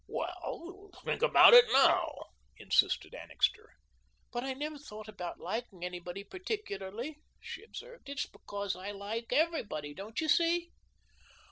"Well, think about it now," insisted Annixter. "But I never thought about liking anybody particularly," she observed. "It's because I like everybody, don't you see?"